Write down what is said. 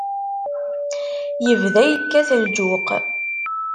Yebda yekkat lǧuq.